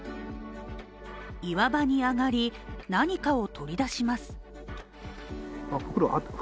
岩場に上がり、何かを取り出します。